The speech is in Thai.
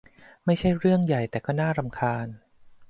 ไม่ใช่เรื่องใหญ่แต่ก็น่ารำคาญ